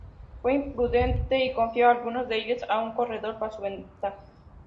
Fue imprudente y confió algunos de ellos a un corredor para su venta.